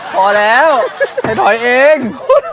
พอแล้วไอ้ถอยเอง